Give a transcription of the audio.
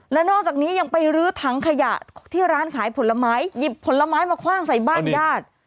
และนอกจากนี้ยังไปรื้อถังขยะที่ร้านขายผลไม้หยิบผลไม้มาคว่างใส่บ้านญาติ